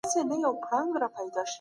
سياستپوهنه د واکمن او ټولني اړيکي څېړي.